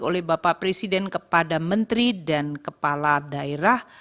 oleh bapak presiden kepada menteri dan kepala daerah